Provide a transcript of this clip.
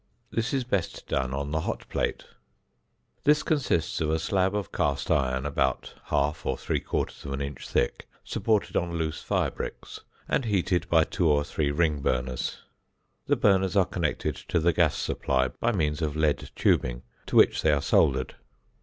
This is best done on the "hot plate" (fig. 13). This consists of a slab of cast iron about half or three quarters of an inch thick, supported on loose fire bricks, and heated by two or three ring burners (figs. 14 and 15). The burners are connected to the gas supply by means of lead tubing, to which they are soldered.